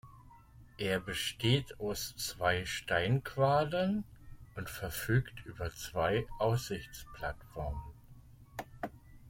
Er besteht aus zwei Steinquadern und verfügt über zwei Aussichtsplattformen.